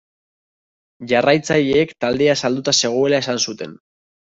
Jarraitzaileek taldea salduta zegoela esan zuten.